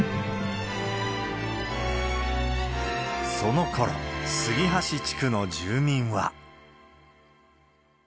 そのころ、杉箸地区の住民は。